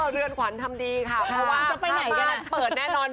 เรือนขวัญทำดีค่ะเพราะว่าพ้ามานเปิดแน่นอน